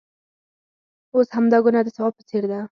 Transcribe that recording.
اوس همدا ګناه د ثواب په څېر ده.